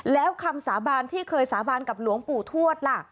แล้วคำสาบานที่เคยสาบานกับหลวงปู่ทวดล่ะ